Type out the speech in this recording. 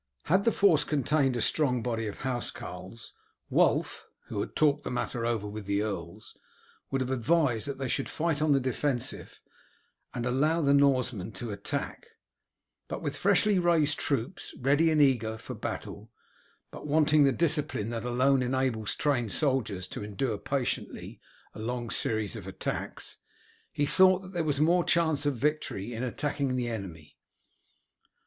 Had the force contained a strong body of housecarls, Wulf, who had talked the matter over with the earls, would have advised that they should fight on the defensive and allow the Norsemen to attack; but with freshly raised troops, ready and eager for battle, but wanting the discipline that alone enables trained soldiers to endure patiently a long series of attacks, he thought that there was more chance of victory in attacking the enemy.